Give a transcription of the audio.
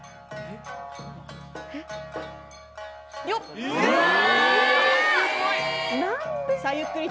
よっ！